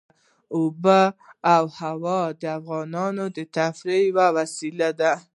آب وهوا د افغانانو د تفریح یوه وسیله ده.